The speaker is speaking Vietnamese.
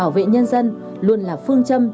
và bảo vệ nhân dân luôn là phương châm